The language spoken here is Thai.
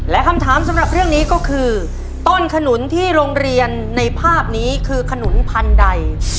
และคำถามสำหรับเรื่องนี้ก็คือต้นขนุนที่โรงเรียนในภาพนี้คือขนุนพันธุ์ใด